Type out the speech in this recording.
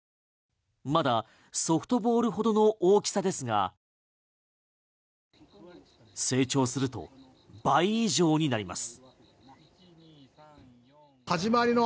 まだ、ソフトボールほどの大きさですが成長すると倍以上になります。